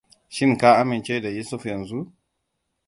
Shin ka amince da Yusuf yanzu?